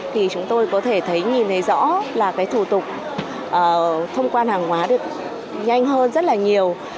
thì chúng tôi có thể thấy nhìn thấy rõ là cái thủ tục thông quan hàng hóa được nhanh hơn rất là nhiều